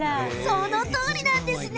そのとおりなんですね。